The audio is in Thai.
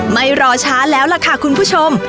ไม่รอช้าแล้วล่ะค่ะคุณผู้ชม